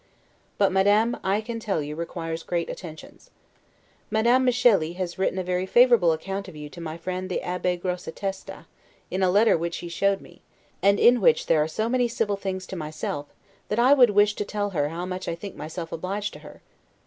But Madame, I can tell you, requires great attentions. Madame Micheli has written a very favorable account of you to my friend the Abbe Grossa Testa, in a letter which he showed me, and in which there are so many civil things to myself, that I would wish to tell her how much I think myself obliged to her.